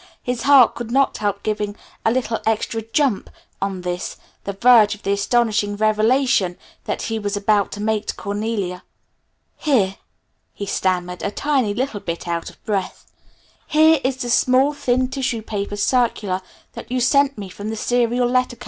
his heart could not help giving a little extra jump on this, the verge of the astonishing revelation that he was about to make to Cornelia. "Here," he stammered, a tiny bit out of breath, "here is the small, thin, tissue paper circular that you sent me from the Serial Letter Co.